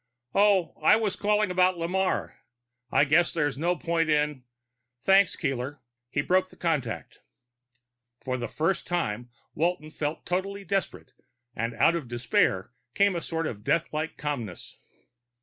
"Oh, I was calling about Lamarre. I guess there's no point in thanks, Keeler." He broke the contact. For the first time Walton felt total despair, and, out of despair, came a sort of deathlike calmness.